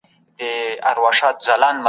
جهالت د بدبختۍ مور ده.